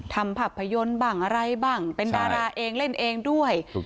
ทำภาพยนตร์บ้างอะไรบ้างเป็นดาราเองเล่นเองด้วย